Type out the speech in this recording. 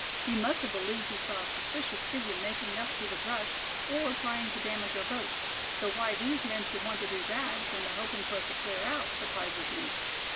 He must have believed he saw a suspicious figure making up through the brush, or trying to damage our boats; though why these men should want to do that, when they're hoping for us to clear out, surprises me."